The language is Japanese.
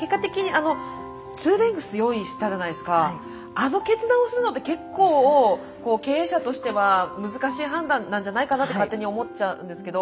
あの決断をするのって結構経営者としては難しい判断なんじゃないかなって勝手に思っちゃうんですけど。